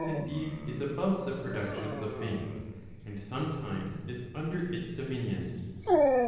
457 indeed is above the productions of Fate, and sometimes is under its dominion.